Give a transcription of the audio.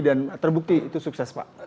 dan terbukti itu sukses pak